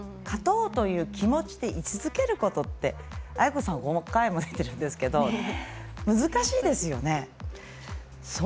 勝とうという気持ちでい続けることって愛子さんは５回も出てるんですけど難しいですよね。